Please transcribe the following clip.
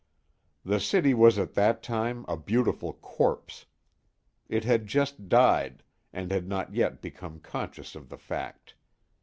The city was at that time a beautiful corpse. It had just died, and had not yet become conscious of the fact.